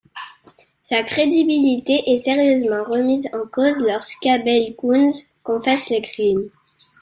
Sa crédibilité est sérieusement remise en cause lorsqu'Abel Koontz confesse le crime.